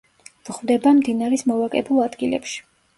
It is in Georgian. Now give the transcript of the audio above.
გვხვდება მდინარის მოვაკებულ ადგილებში.